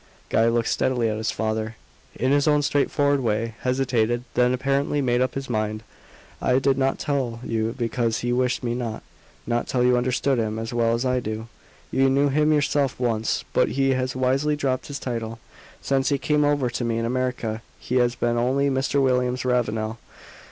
Guy looked steadily at his father, in his own straightforward way; hesitated then apparently made up his mind. "I did not tell you because he wished me not; not till you understood him as well as I do. You knew him yourself once but he has wisely dropped his title. Since he came over to me in America he has been only Mr. William Ravenel."